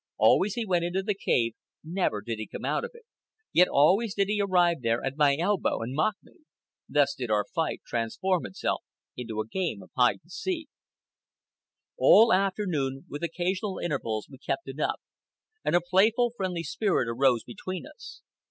Always he went into the cave, never did he come out of it, yet always did he arrive there at my elbow and mock me. Thus did our fight transform itself into a game of hide and seek. All afternoon, with occasional intervals, we kept it up, and a playful, friendly spirit arose between us.